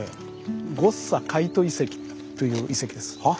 ゴッサカイト遺跡という遺跡です。